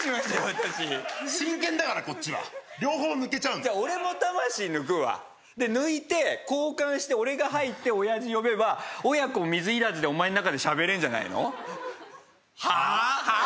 私真剣だからこっちは両方抜けちゃうのじゃ俺も魂抜くわ抜いて交換して俺が入って親父呼べば親子水いらずでお前ん中で喋れんじゃないの？はあ？はあ？